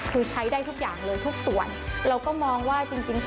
คือใช้ได้ทุกอย่างเลยทุกส่วนเราก็มองว่าจริง